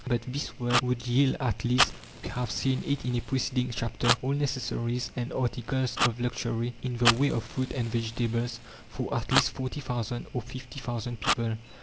But this work would yield at least we have seen it in a preceding chapter all necessaries and articles of luxury in the way of fruit and vegetables for at least 40,000 or 50,000 people.